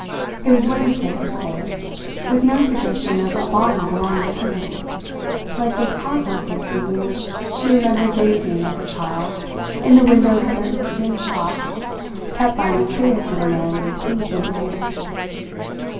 It was Wang's face, of course, with no suggestion of a body belonging to it, like those cardboard faces at which she remembered gazing as a child in the window of a certain dim shop kept by a mysterious little man in Kingsland Road.